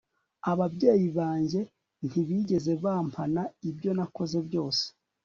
Ababyeyi banjye ntibigeze bampana ibyo nakoze byose